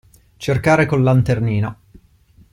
Cercare col lanternino.